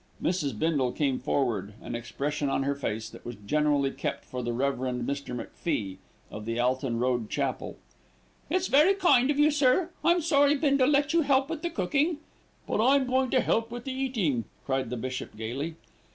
Mrs. Bindle came forward, an expression on her face that was generally kept for the Rev. Mr. MacFie, of the Alton Road Chapel. "It's very kind of you, sir. I'm sorry Bindle let you help with the cooking." "But I'm going to help with the eating," cried the bishop gaily.